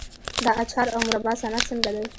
د اچار او مربا صنعت څنګه دی؟